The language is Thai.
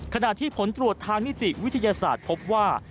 ขณะที่ผลตรวจทางนิติวิทยาศาสตร์พบว่า